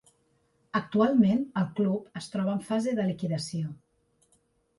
Actualment el club es troba en fase de liquidació.